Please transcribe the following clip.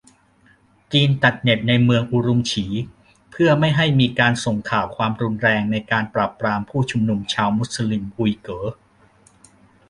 จีนตัดเน็ทในเมือง อุรุมฉี เพื่อไม่ให้มีการส่งข่าวความรุนแรงในการปราบปรามผุ้ชุมนุมชาวมุสลิม อุ๋ยเก๋อ